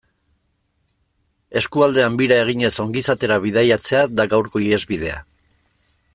Eskualdean bira eginez ongizatera bidaiatzea da gaurko ihesbidea.